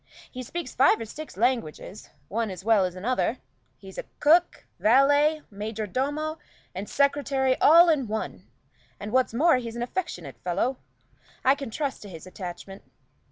He speaks five or six languages, one as well as another. He's cook, valet, major domo, and secretary all in one; and what's more, he's an affectionate fellow I can trust to his attachment.